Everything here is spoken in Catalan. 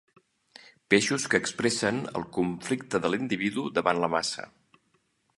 Peixos que expressen el conflicte de l'individu davant la massa.